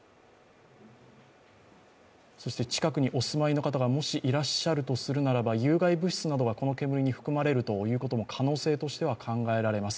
そして近くにお住まいの方がもしいらっしゃるとするならば有害物質などがこの煙に含まれるということも可能性としては考えられます。